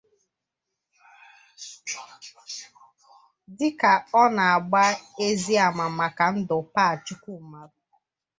Dịka ọ na-agba ezi àmà maka ndụ Pa Chukwumalu